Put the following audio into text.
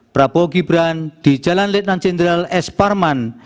prabowo gibran di jalan lieutenant jenderal s parman